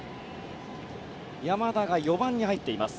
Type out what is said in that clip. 山田が４番に入っています。